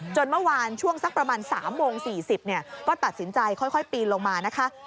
เมื่อวานช่วงสักประมาณ๓โมง๔๐ก็ตัดสินใจค่อยปีนลงมานะคะ